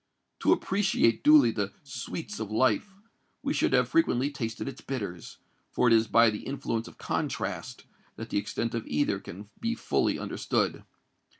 To appreciate duly the sweets of life, we should have frequently tasted its bitters; for it is by the influence of contrast, that the extent of either can be fully understood.